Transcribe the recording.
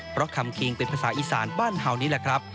เพราะคำคิงเป็นภาษาอีสานบ้านเห่านี่แหละครับ